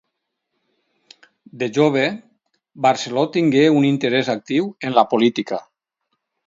De jove, Barceló tingué un interès actiu en la política.